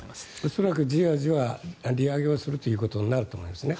恐らくじわじわ利上げをするということになると思いますね。